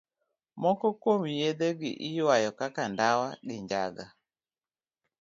Moko kuom yedhe gi iywayo kaka ndawa gi janga.